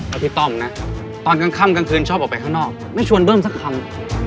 พี่ต้อมนะตอนกลางค่ำกลางคืนชอบออกไปข้างนอกไม่ชวนเบิ้มสักคำ